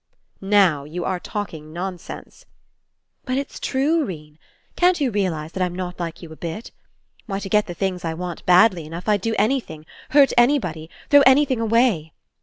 "Now you are talking nonsense." "But it's true, 'Rene. Can't you realize that I'm not like you a bit? Why, to get the things I want badly enough, I'd do anything, hurt anybody, throw anything away.